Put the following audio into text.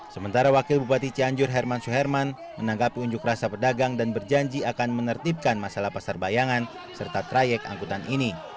sementara wakil bupati cianjur herman suherman menanggapi unjuk rasa pedagang dan berjanji akan menertibkan masalah pasar bayangan serta trayek angkutan ini